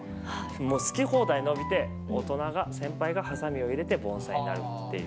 もう好き放題伸びて、大人が、先輩がはさみを入れて盆栽になるっていう。